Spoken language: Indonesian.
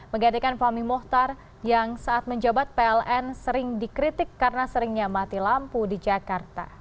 menggantikan fahmi mohtar yang saat menjabat pln sering dikritik karena seringnya mati lampu di jakarta